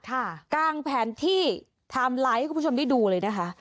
กลางแผนที่ไทม์ไลน์ให้คุณผู้ชมได้ดูเลยนะคะ